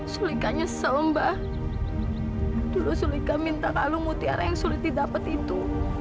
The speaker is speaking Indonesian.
sulika nyesel mbah dulu sulika minta kalungmu tiara yang sulit didapat itu